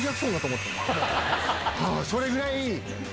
それぐらい。